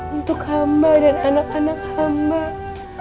untuk mbak dan anak anak mbak